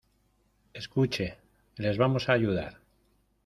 escuche, les vamos a ayudar.